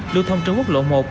lưu thông trên quốc lộ một